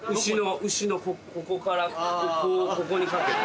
牛のここからここにかけて。